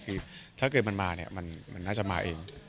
มีแรงใครไหมแรง